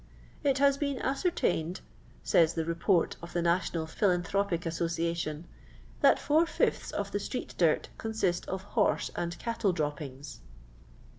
" It has been ascertabed," says the Report of the National Philanthropic Association, "that four fifths of the street dirt consist of horse and cattle droppings."